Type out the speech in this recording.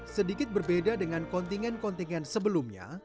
sedikit berbeda dengan kontingen kontingen sebelumnya